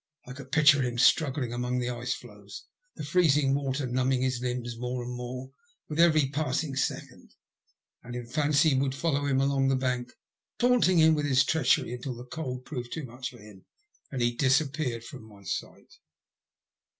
I could picture him struggling among the ice floes, the freezing water numbing his limbs more and more with every passing second ; and, in fancy, would follow him along the bank, taunting him with his treachery, until the cold proved too much for him and he dis appeared from my sight.